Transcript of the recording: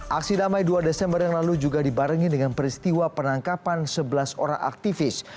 aksi damai dua desember yang lalu juga dibarengi dengan peristiwa penangkapan sebelas orang aktivis